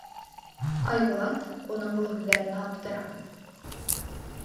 Айбулат, уның был һүҙҙәренә аптырап: